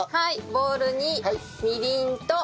ボウルにみりんとお酒。